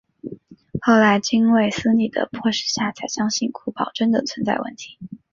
后来经卫斯理的迫使下才相信古堡真的存在问题。